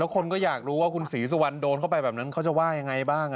คนก็อยากรู้ว่าคุณศรีสุวรรณโดนเข้าไปแบบนั้นเขาจะว่ายังไงบ้าง